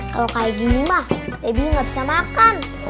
kalau kayak gini mah edi nggak bisa makan